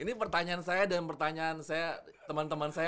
ini pertanyaan saya dan pertanyaan saya teman teman saya